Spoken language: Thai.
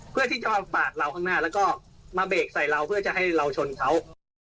เพื่อที่จะมาปาดเราข้างหน้าแล้วก็มาเบรกใส่เราเพื่อจะให้เราชนเขา